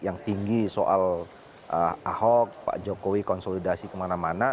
yang tinggi soal ahok pak jokowi konsolidasi kemana mana